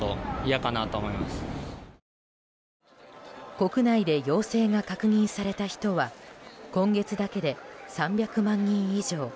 国内で陽性が確認された人は今月だけで３００万人以上。